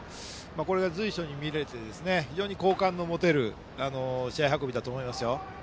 これが、随所に見られて好感の持てる試合運びだと思います。